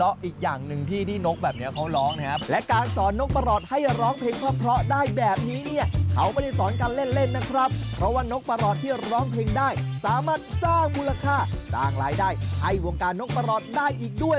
อาห์แต่ถ้าเราฝึกสำนวนเขาแล้วเนี้ย